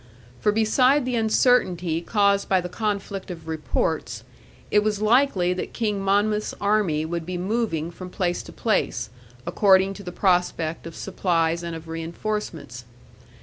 For beside the uncertainty caused by the conflict of reports, it was likely that King Monmouth's army would be moving from place to place, according to the prospect of supplies and of reinforcements.